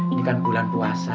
ini kan bulan puasa